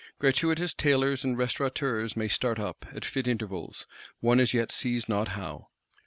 Gratuitous Tailors and Restaurateurs may start up, at fit intervals, one as yet sees not how.